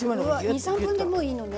２３分でもういいのね。